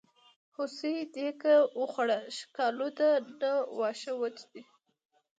هوسۍ دیکه وخوړه ښکالو ده نه واښه وچ دي.